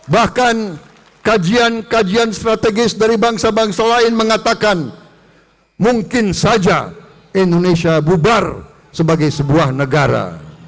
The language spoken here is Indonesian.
bahkan kajian kajian strategis dari bangsa bangsa lain mengatakan mungkin saja indonesia bubar sebagai sebuah negara